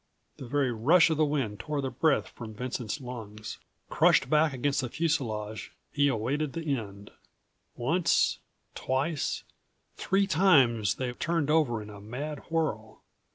The very rush of the wind tore the breath from Vincent's201 lungs. Crushed back against the fuselage, he awaited the end. Once, twice, three times they turned over in a mad whirl.